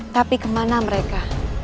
tapi kemana mereka